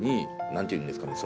なんていうんですかね